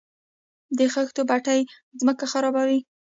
د خښتو بټۍ ځمکه خرابوي؟